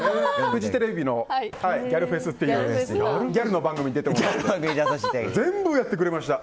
フジテレビの「ギャルフェス」っていうギャルの番組に出ていました。